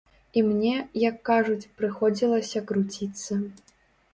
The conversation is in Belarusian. І мне, як кажуць, прыходзілася круціцца.